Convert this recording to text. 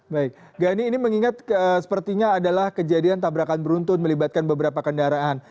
baik gani ini mengingat sepertinya adalah kejadian tabrakan beruntun melibatkan beberapa kendaraan